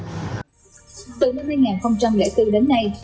từ năm hai nghìn bốn đến nay